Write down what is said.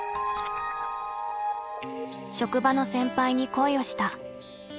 職場の先輩に恋をした。